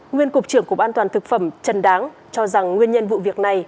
nguyên cục trưởng cục an toàn thực phẩm trần đáng cho rằng nguyên nhân vụ việc này